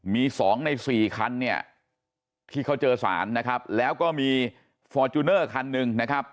มีสองในสี่คันเนี่ยที่เขาเจอสารนะครับแล้วก็มีฟอร์จูเนอร์คันหนึ่งนะครับ